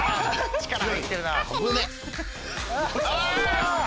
力入ってるなぁ。